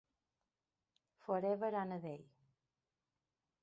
Forever and a Day